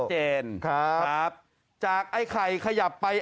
เห็นแล้วครับจากไอ้ไข่ขยับไป